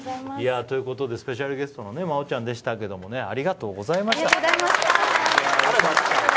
スペシャルゲストの真央ちゃんでしたけど、ありがとうございました。